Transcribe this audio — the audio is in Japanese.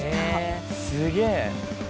「すげえ！」